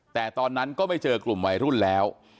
แต่ตอนนั้นก็ไม่เจอกลุ่มวัยรุ่นแล้ว